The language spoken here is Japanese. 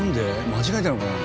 間違えたのかな？